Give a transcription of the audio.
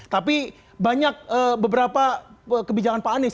tapi banyak beberapa kebijakan pak anies